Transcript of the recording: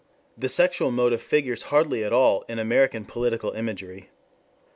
The sexual motif figures hardly at all in American political imagery.